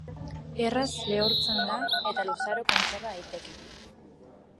Erraz lehortzen da eta luzaro kontserba daiteke.